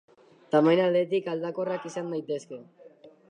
Tamaina aldetik aldakorrak izan daitezke.